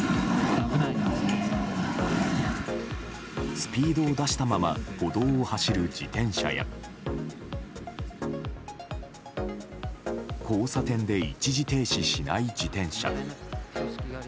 スピードを出したまま歩道を走る自転車や交差点で一時停止しない自転車。